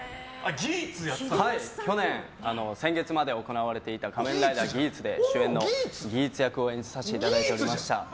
去年、先月まで行われていた「仮面ライダーギーツ」で主演のギーツ役を演じさせていただいておりました。